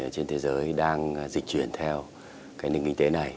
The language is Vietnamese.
trên thế giới đang dịch chuyển theo cái nền kinh tế này